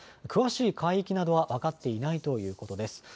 詳しい海域などは分かっていないということです。